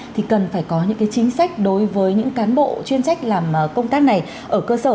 thì cần phải có những chính sách đối với những cán bộ chuyên trách làm công tác này ở cơ sở